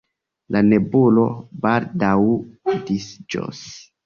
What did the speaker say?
La nebulo baldaŭ disiĝos.